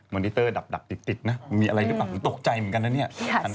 วันนี้เตอร์ดับติดนะมีอะไรหรือเปล่าผมตกใจเหมือนกันนะเนี่ย